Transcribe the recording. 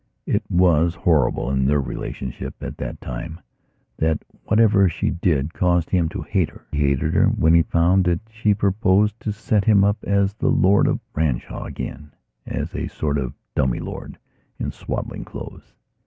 It was horrible, in their relationship at that time, that whatever she did caused him to hate her. He hated her when he found that she proposed to set him up as the Lord of Branshaw againas a sort of dummy lord, in swaddling clothes.